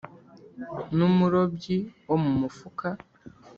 ni umurobyi wo mu mufuka,